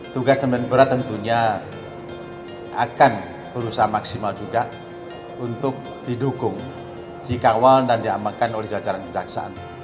tugas kementerian berat tentunya akan berusaha maksimal juga untuk didukung dikawal dan diamankan oleh jajaran kejaksaan